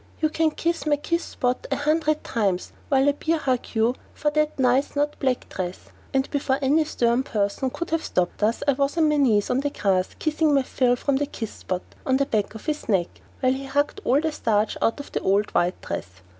You can kiss my kiss spot a hundred times while I bear hug you for that nice not black dress," and before any stern person could have stopped us I was on my knees on the grass kissing my fill from the "kiss spot" on the back of his neck, while he hugged all the starch out of the old white dress.